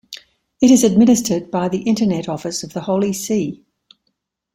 It is administered by the Internet Office of the Holy See.